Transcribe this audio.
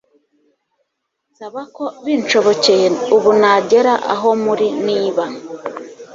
nsaba ko binshobokeye ubu nagera aho muri niba